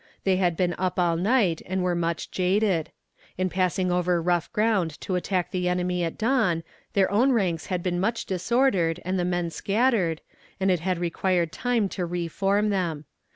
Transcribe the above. They had been up all night and were much jaded. In passing over rough ground to attack the enemy at dawn their own ranks had been much disordered and the men scattered, and it had required time to reform them.